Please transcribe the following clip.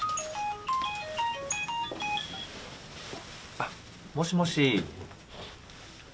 あもしもし。